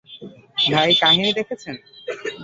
ভাই, কাহিনী দেখেছেন?